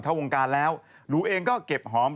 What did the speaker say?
ตอนนั้นถึงแบบ